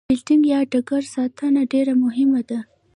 فیلډینګ یا ډګر ساتنه ډېره مهمه ده.